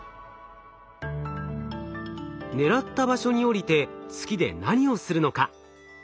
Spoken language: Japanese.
狙った場所に降りて月で何をするのか？